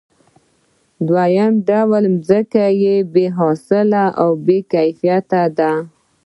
دویم ډول ځمکه بې حاصله او بې کیفیته ده